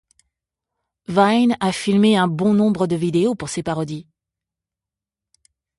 Vine a filmé un bon nombre de vidéos pour ses parodies.